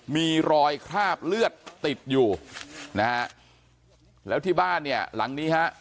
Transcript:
มีรอยคราบเลือดติดอยู่นะฮะแล้วที่บ้านเนี่ยหลังนี้ฮะ